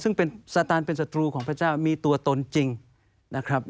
ซึ่งเป็นสตานเป็นศัตรูของพระเจ้ามีตัวตนจริงนะครับ